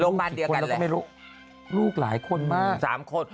ลูกพันธุ์กันแล้วก็ไม่รู้ลูกหลายคนมาสามคน